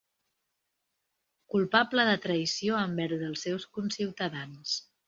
Culpable de traïció envers els seus conciutadans.